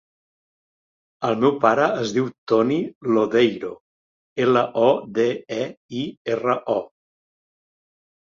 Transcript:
El meu pare es diu Toni Lodeiro: ela, o, de, e, i, erra, o.